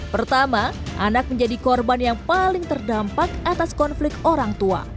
pertama anak menjadi korban yang paling terdampak atas konflik orang tua